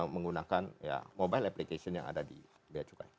menggunakan mobile application yang ada di bea cukai